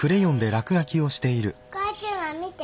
お母ちゃま見て。